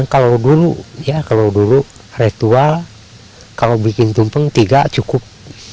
kalau dulu ritual kalau bikin tumpeng tiga cukup